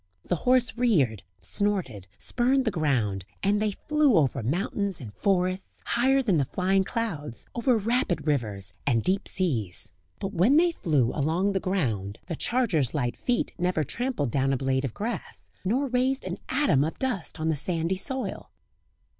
The horse reared, snorted, spurned the ground, and they flew over mountains and forests, higher than the flying clouds, over rapid rivers, and deep seas; but when they flew along the ground the charger's light feet never trampled down a blade of grass, nor raised an atom of dust on the sandy soil.